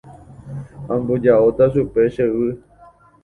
Amboja'óta chupe che yvy.